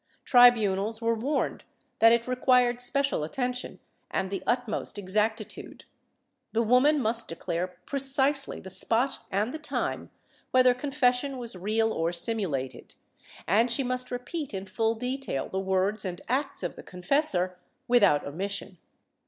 Tribunals were warned that it required special attention and the utmost exacti tude; the woman must declare precisely the spot and the time, whether confession was real or simulated, and she must repeat in full detail the words and acts of the confessor without omission.